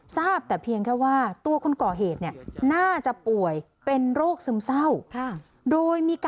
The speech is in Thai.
ทราบแต่เพียงแค่ว่า